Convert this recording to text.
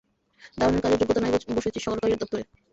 দারোয়ানের কাজের যোগ্যতা নাই বসেছিস সরকারি দপ্তরে।